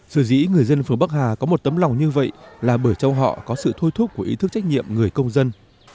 sử dĩ người dân phường bắc hà có một tấm lòng như vậy là bởi trong họ có sự thôi thúc của ý thức trách nhiệm người công dân